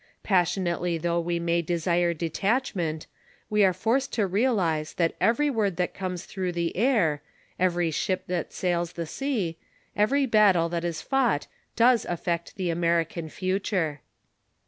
Passionately though we may desire detachment, we are forced to realize that every word that comes through the air, every ship that sails the sea, every battle that is fought does affect the American future.